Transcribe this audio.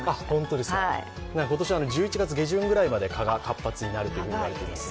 今年は１１月下旬くらいまで蚊が活発になるということです。